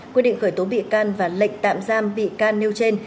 quyết định khởi tố bị can và lệnh tạm giam bị can nêu trên